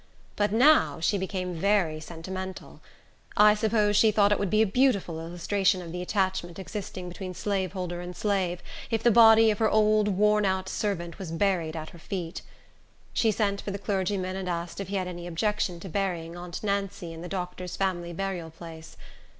But now she became very sentimental. I suppose she thought it would be a beautiful illustration of the attachment existing between slaveholder and slave, if the body of her old worn out servant was buried at her feet. She sent for the clergyman and asked if he had any objection to burying aunt Nancy in the doctor's family burial place.